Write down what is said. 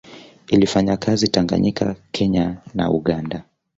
Ilifanya kazi Tanganyika Kenya na Uganda